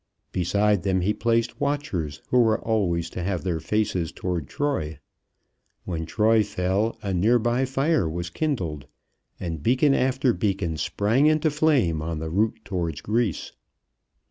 Beside them he placed watchers who were always to have their faces toward Troy. When Troy fell a near by fire was kindled, and beacon after beacon sprang into flame on the route toward Greece.